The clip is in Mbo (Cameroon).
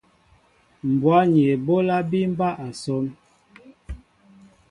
Mbwá ni eɓólá bí mɓá asón.